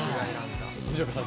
藤岡さん